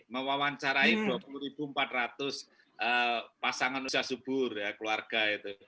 mewawancarai dua puluh empat ratus pasangan usia subur ya keluarga itu